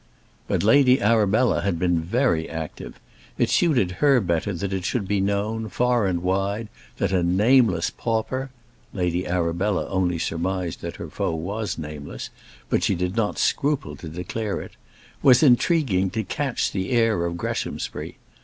But Lady Arabella had been very active. It suited her better that it should be known, far and wide, that a nameless pauper Lady Arabella only surmised that her foe was nameless; but she did not scruple to declare it was intriguing to catch the heir of Greshamsbury.